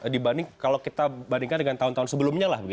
dibanding kalau kita bandingkan dengan tahun tahun sebelumnya lah